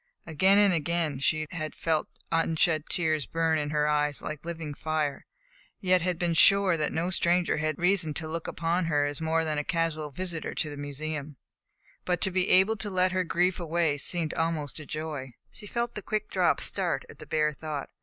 Again and again she had felt unshed tears burn in her eyes like living fire, yet had been sure that no stranger had had reason to look upon her as more than a casual visitor to the museum; but to be able to let her grief have way seemed almost a joy. She felt the quick drops start at the bare thought.